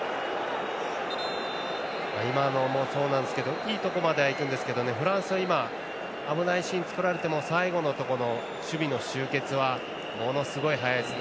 今のもそうなんですけどいいところまではいくんですけどフランスは今危ないシーンを作られても最後のところの守備の集結はものすごい速いですね。